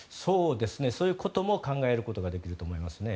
そういうことも考えることができると思います。